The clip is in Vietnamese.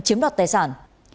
chiếm đoạt tài sản